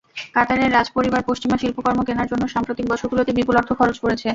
কাতারের রাজপরিবার পশ্চিমা শিল্পকর্ম কেনার জন্য সাম্প্রতিক বছরগুলোতে বিপুল অর্থ খরচ করেছে।